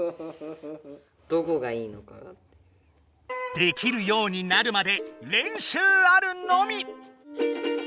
できるようになるまで練習あるのみ！